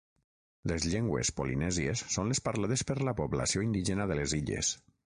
Les llengües polinèsies són les parlades per la població indígena de les illes.